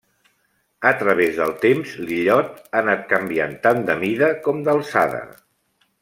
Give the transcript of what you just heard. A través del temps l'illot ha anat canviant tant de mida com d'alçada.